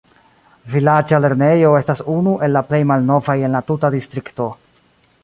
Vilaĝa lernejo estas unu el la plej malnovaj en la tuta distrikto.